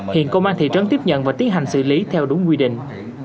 hiện công an thị trấn tiếp nhận và tiến hành xử lý theo đúng quy định